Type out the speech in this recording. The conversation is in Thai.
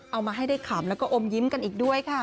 เอามาให้ได้ขำแล้วก็อมยิ้มกันอีกด้วยค่ะ